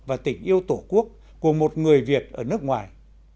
và tình yêu tổ quốc của một người việt ở nước ngoài